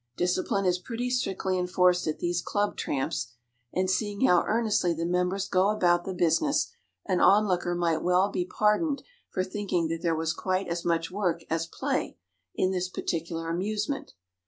Discipline is pretty strictly enforced at these club tramps, and seeing how earnestly the members go about the business, an onlooker might well be pardoned for thinking that there was quite as much work as play in this particular amusement.